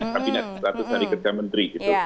kabinet seratus hari kerja menteri gitu